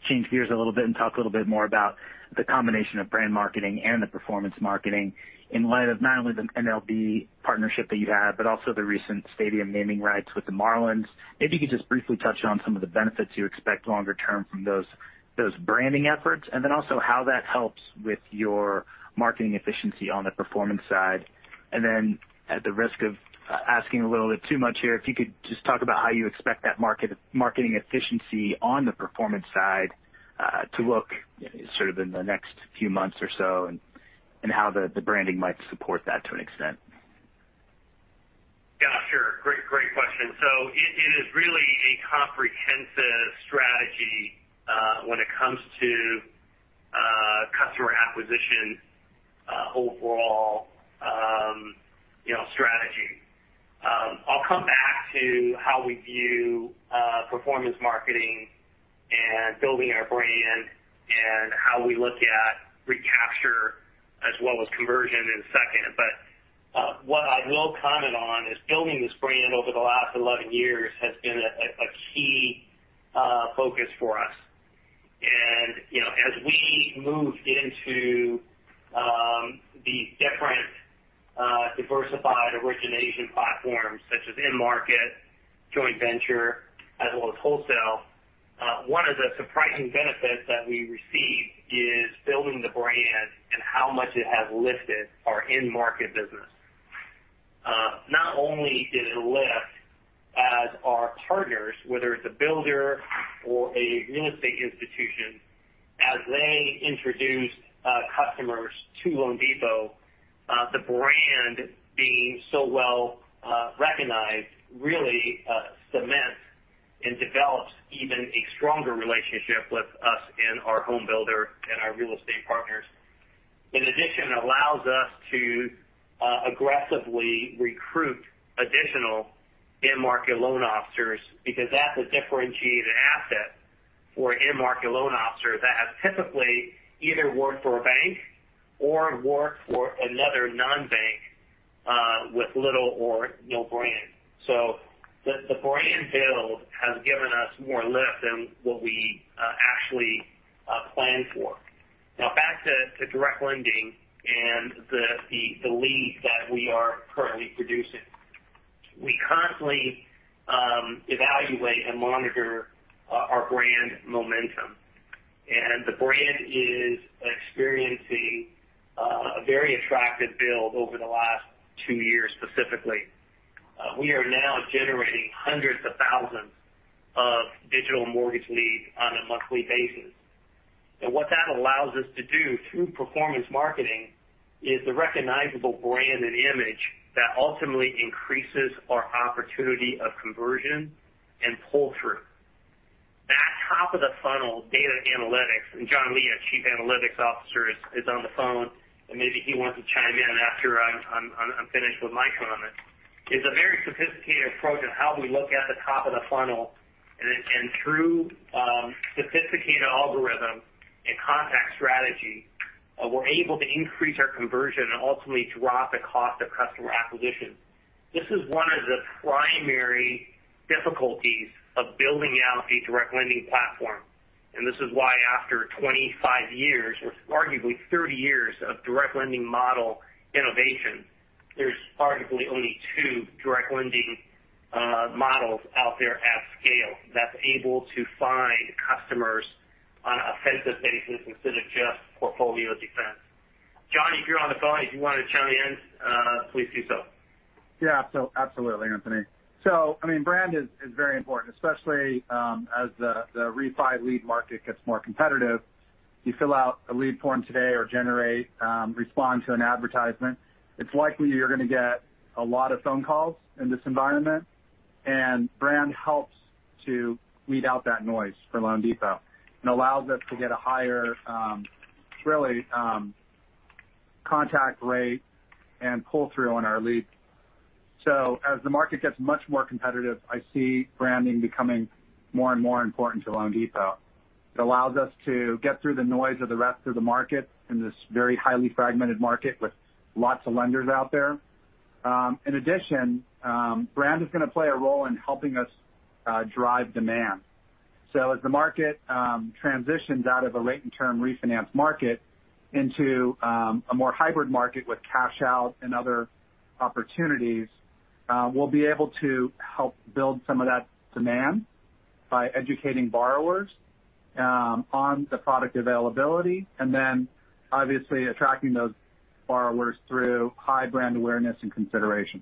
change gears a little bit and talk a little bit more about the combination of brand marketing and the performance marketing in light of not only the MLB partnership that you have, but also the recent stadium naming rights with the Marlins. Maybe you could just briefly touch on some of the benefits you expect longer term from those branding efforts, and then also how that helps with your marketing efficiency on the performance side. At the risk of asking a little bit too much here, if you could just talk about how you expect that marketing efficiency on the performance side to look sort of in the next few months or so, and how the branding might support that to an extent. Yeah, sure. Great question. It is really a comprehensive strategy when it comes to customer acquisition overall strategy. I'll come back to how we view performance marketing and building our brand and how we look at recapture as well as conversion in a second. What I will comment on is building this brand over the last 11 years has been a key focus for us. As we moved into the different diversified origination platforms such as in-market, joint venture, as well as wholesale one of the surprising benefits that we received is building the brand and how much it has lifted our in-market business. Not only did it lift as our partners, whether it's a builder or a real estate institution, as they introduced customers to loanDepot, the brand being so well recognized, really cements and develops even a stronger relationship with us and our home builder and our real estate partners. It allows us to aggressively recruit additional in-market loan officers because that's a differentiated asset for in-market loan officers that have typically either worked for a bank or worked for another non-bank with little or no brand. The brand build has given us more lift than what we actually Plan for. Back to direct lending and the leads that we are currently producing. We constantly evaluate and monitor our brand momentum. The brand is experiencing a very attractive build over the last two years specifically. We are now generating hundreds of thousands of digital mortgage leads on a monthly basis. What that allows us to do through performance marketing is the recognizable brand and image that ultimately increases our opportunity of conversion and pull-through. That top-of-the-funnel data analytics, and John Lee, Chief Analytics Officer, is on the phone. Maybe he wants to chime in after I'm finished with my comment. It's a very sophisticated approach on how we look at the top of the funnel. Through sophisticated algorithms and contact strategy, we're able to increase our conversion and ultimately drop the cost of customer acquisition. This is one of the primary difficulties of building out a direct lending platform, and this is why after 25 years, arguably 30 years, of direct lending model innovation, there's arguably only two direct lending models out there at scale that's able to find customers on an offensive basis instead of just portfolio defense. John, if you're on the phone, if you want to chime in, please do so. Yeah. Absolutely, Anthony. Brand is very important, especially as the refi lead market gets more competitive. You fill out a lead form today or generate, respond to an advertisement. It's likely you're going to get a lot of phone calls in this environment, and brand helps to weed out that noise for loanDepot and allows us to get a higher contact rate and pull-through on our leads. As the market gets much more competitive, I see branding becoming more and more important to loanDepot. It allows us to get through the noise of the rest of the market in this very highly fragmented market with lots of lenders out there. In addition, brand is going to play a role in helping us drive demand. As the market transitions out of a rate and term refinance market into a more hybrid market with cash out and other opportunities, we'll be able to help build some of that demand by educating borrowers on the product availability, and then obviously attracting those borrowers through high brand awareness and consideration.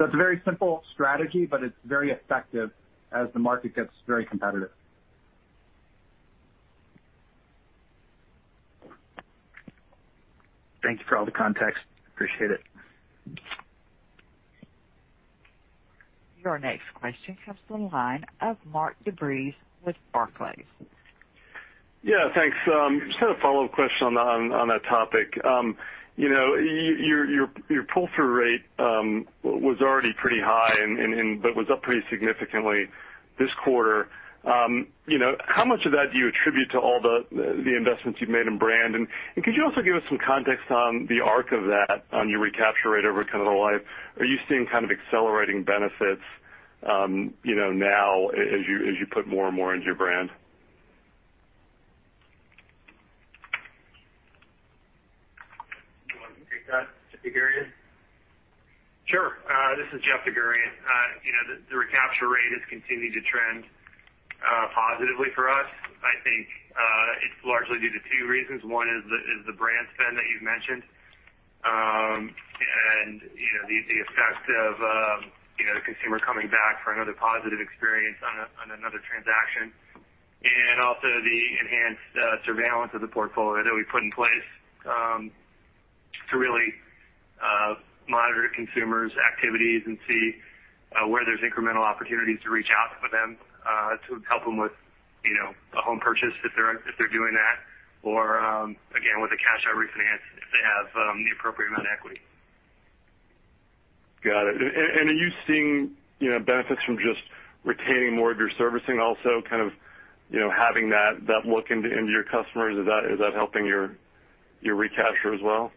It's a very simple strategy, but it's very effective as the market gets very competitive. Thank you for all the context. Appreciate it. Your next question comes from the line of Mark DeVries with Barclays. Yeah, thanks. Just had a follow-up question on that topic. Your pull-through rate was already pretty high and but was up pretty significantly this quarter. How much of that do you attribute to all the investments you've made in brand? Could you also give us some context on the arc of that on your recapture rate over kind of the life? Are you seeing kind of accelerating benefits now as you put more and more into your brand? Do you want to take that, Jeff DerGurahian? Sure. This is Jeff DerGurahian. The recapture rate has continued to trend positively for us. I think it's largely due to two reasons. One is the brand spend that you've mentioned. The effect of the consumer coming back for another positive experience on another transaction, and also the enhanced surveillance of the portfolio that we put in place to really monitor consumers' activities and see where there's incremental opportunities to reach out for them, to help them with a home purchase if they're doing that, or again, with a cash out refinance if they have the appropriate amount of equity. Got it. Are you seeing benefits from just retaining more of your servicing also kind of having that look into your customers? Is that helping your recapture as well?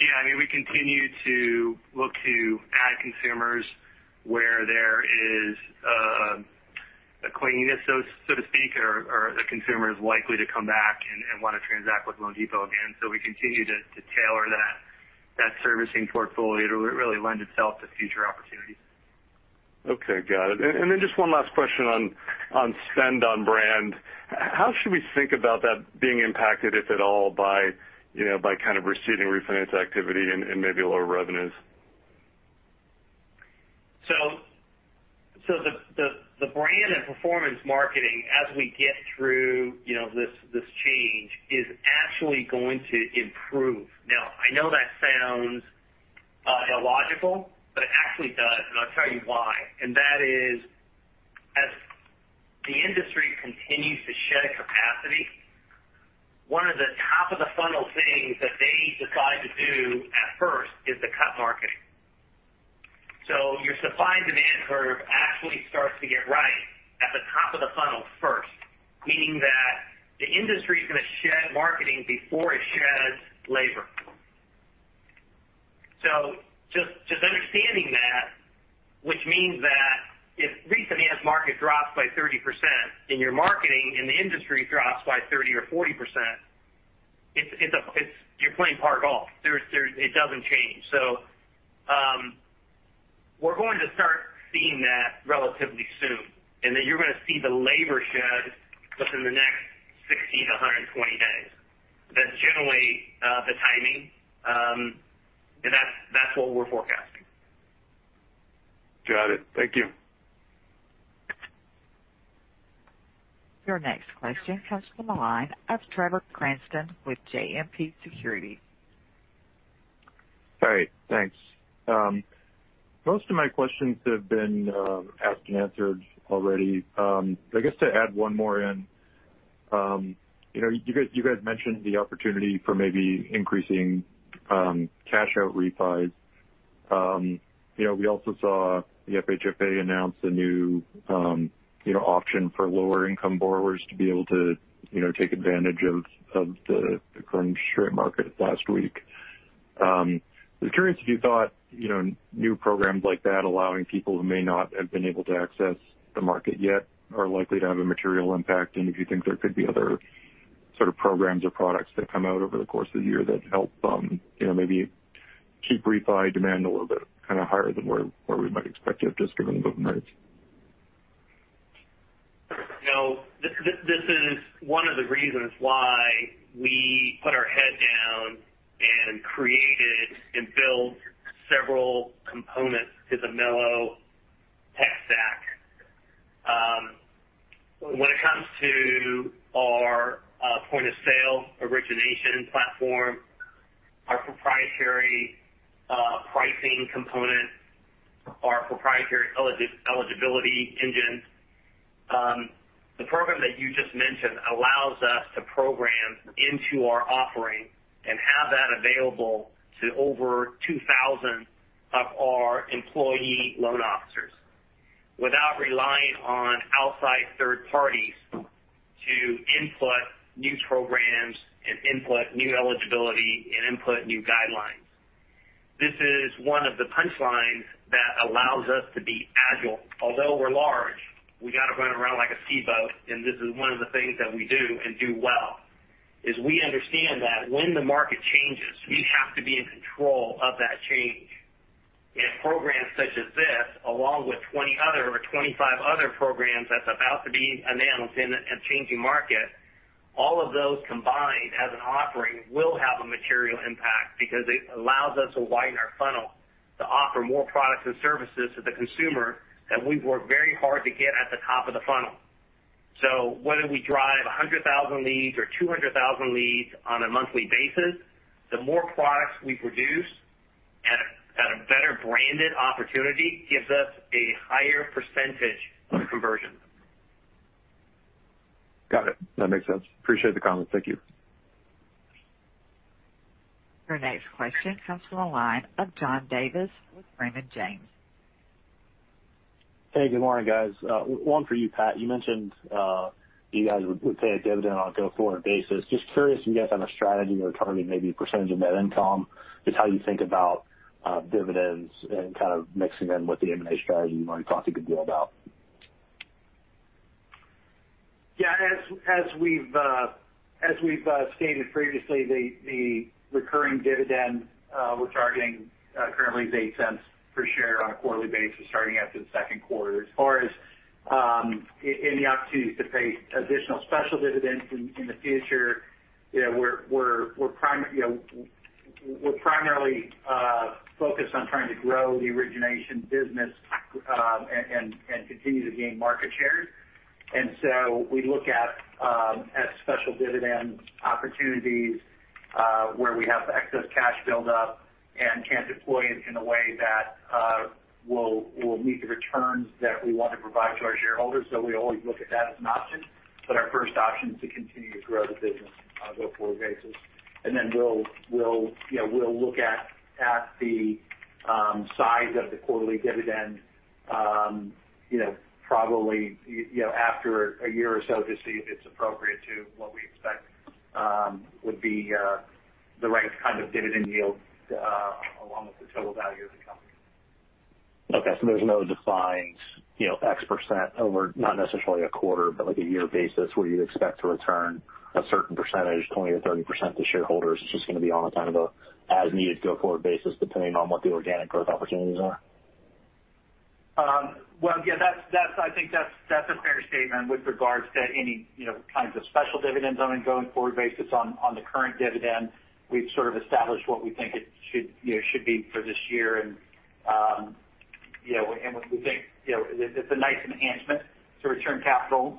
Yeah. We continue to look to add consumers where there is a cleanliness, so to speak, or the consumer is likely to come back and want to transact with loanDepot again. We continue to tailor that servicing portfolio to really lend itself to future opportunities. Okay, got it. Just one last question on spend on brand. How should we think about that being impacted, if at all, by kind of receding refinance activity and maybe lower revenues? The brand and performance marketing, as we get through this change, is actually going to improve. I know that sounds illogical, but it actually does, and I'll tell you why. That is, as the industry continues to shed capacity, one of the top-of-the-funnel things that they decide to do at first is to cut marketing. Your supply and demand curve actually starts to get right at the top of the funnel first, meaning that the industry's going to shed marketing before it sheds labor. Just understanding that, which means that if the refinance market drops by 30% and your marketing in the industry drops by 30% or 40%, you're playing par golf. It doesn't change. We're going to start seeing that relatively soon, and then you're going to see the labor shed within the next 60-120 days. That's generally the timing. That's what we're forecasting. Got it. Thank you. Your next question comes from the line of Trevor Cranston with JMP Securities. All right. Thanks. Most of my questions have been asked and answered already. I guess to add one more in. You guys mentioned the opportunity for maybe increasing cash out refis. We also saw the FHFA announce a new option for lower income borrowers to be able to take advantage of the current interest rate market last week. I was curious if you thought new programs like that allowing people who may not have been able to access the market yet are likely to have a material impact, and if you think there could be other sort of programs or products that come out over the course of the year that help maybe keep refi demand a little bit kind of higher than where we might expect it just given movement rates. This is one of the reasons why we put our head down and created and built several components to the mello tech stack, when it comes to our point-of-sale origination platform, our proprietary pricing component, our proprietary eligibility engine. The program that you just mentioned allows us to program into our offering and have that available to over 2,000 of our employee loan officers without relying on outside third parties to input new programs and input new eligibility and input new guidelines. This is one of the punchlines that allows us to be agile. Although we're large, we got to run around like a speedboat, and this is one of the things that we do and do well, is we understand that when the market changes, we have to be in control of that change. Programs such as this, along with 20 other or 25 other programs that's about to be announced in a changing market, all of those combined as an offering will have a material impact because it allows us to widen our funnel to offer more products and services to the consumer that we've worked very hard to get at the top of the funnel. Whether we drive 100,000 leads or 200,000 leads on a monthly basis, the more products we produce at a better branded opportunity gives us a higher percentage of conversion. Got it. That makes sense. Appreciate the comments. Thank you. Your next question comes from the line of John Davis with Raymond James. Hey, good morning, guys. One for you, Pat. You mentioned you guys would pay a dividend on a go-forward basis. Just curious if you guys have a strategy or target, maybe % of net income. Just how you think about dividends and kind of mixing in with the M&A strategy you've already talked a good deal about. Yeah. As we've stated previously, the recurring dividend we're targeting currently is $0.08 per share on a quarterly basis starting after the second quarter. As far as any opportunities to pay additional special dividends in the future, we're primarily focused on trying to grow the origination business, and continue to gain market shares. We look at special dividend opportunities, where we have excess cash build up and can't deploy it in a way that will meet the returns that we want to provide to our shareholders. We always look at that as an option, but our first option is to continue to grow the business on a go-forward basis. We'll look at the size of the quarterly dividend probably after a year or so to see if it's appropriate to what we expect would be the right kind of dividend yield along with the total value of the company. Okay, there's no defined X% over not necessarily a quarter, but like a year basis where you expect to return a certain percentage, 20% or 30% to shareholders. It's just going to be on a kind of as needed go-forward basis, depending on what the organic growth opportunities are. Well, yeah. I think that's a fair statement with regards to any kinds of special dividends on a going forward basis. On the current dividend, we've sort of established what we think it should be for this year. We think it's a nice enhancement to return capital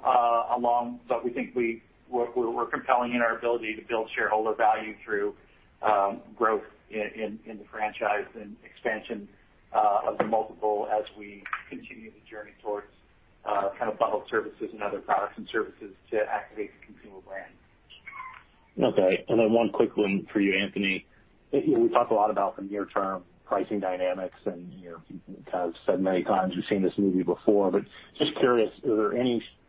along, but we think we're compelling in our ability to build shareholder value through growth in the franchise and expansion of the multiple as we continue the journey towards kind of bundled services and other products and services to activate the consumer brand. Okay. One quick one for you, Anthony. We talk a lot about the near term pricing dynamics, and you kind of said many times you've seen this movie before, but just curious, do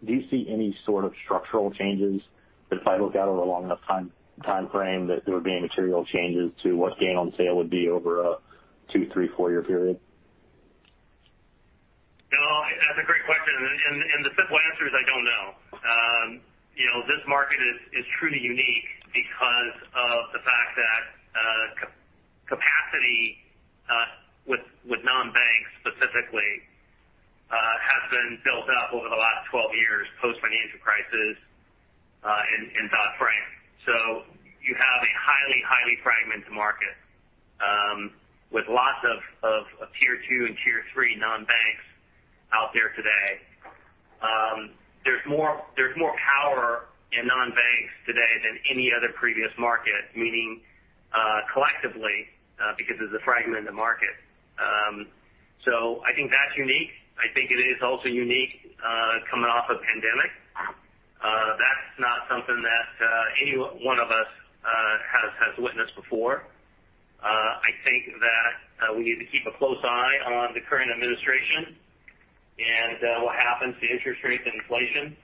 you see any sort of structural changes that if I look out over a long enough time frame, that there would be any material changes to what gain on sale would be over a two, three, four year period? The simple answer is, I don't know. This market is truly unique because of the fact that capacity with non-banks specifically has been built up over the last 12 years post-financial crisis and Dodd-Frank. You have a highly fragmented market with lots of tier two and tier three non-banks out there today. There's more power in non-banks today than any other previous market, meaning collectively because there's a fragment in the market. I think that's unique. I think it is also unique coming off a pandemic. That's not something that any one of us has witnessed before. I think that we need to keep a close eye on the current administration and what happens to interest rates and inflation.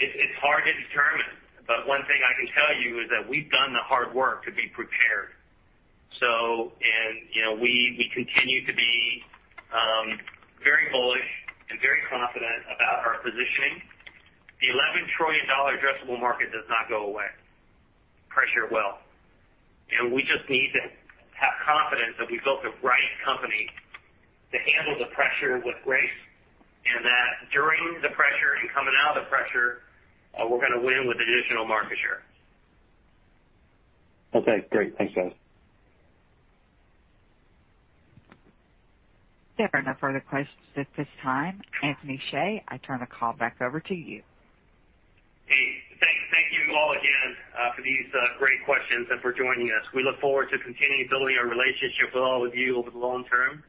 It's hard to determine, but one thing I can tell you is that we've done the hard work to be prepared. We continue to be very bullish and very confident about our positioning. The $11 trillion addressable market does not go away. Pressure will. We just need to have confidence that we built the right company to handle the pressure with grace, and that during the pressure and coming out of the pressure, we're going to win with additional market share. Okay, great. Thanks, guys. There are no further questions at this time. Anthony Hsieh, I turn the call back over to you. Hey, thank you all again for these great questions and for joining us. We look forward to continuing building our relationship with all of you over the long term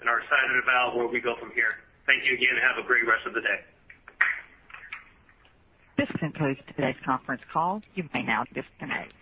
and are excited about where we go from here. Thank you again, and have a great rest of the day. This concludes today's conference call. You may now disconnect.